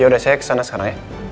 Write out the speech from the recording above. yaudah saya kesana sekarang ya